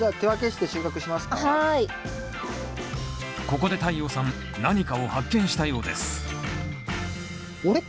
ここで太陽さん何かを発見したようですあれ？